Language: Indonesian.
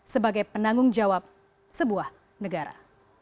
sebagai penanggung jawab sebuah negara